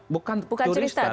bukan curi start